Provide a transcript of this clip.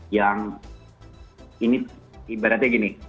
yang ini ibaratnya gini